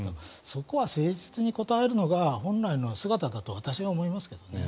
そこは誠実に答えるのが本来の姿だと私は思いますけどね。